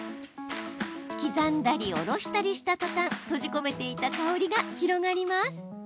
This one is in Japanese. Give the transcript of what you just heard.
刻んだりおろしたりしたとたん閉じ込めていた香りが広がります。